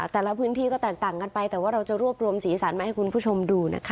แต่ละพื้นที่ก็แตกต่างกันไปแต่ว่าเราจะรวบรวมสีสันมาให้คุณผู้ชมดูนะคะ